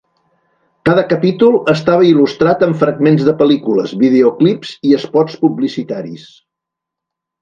Cada capítol estava il·lustrat amb fragments de pel·lícules, videoclips i espots publicitaris.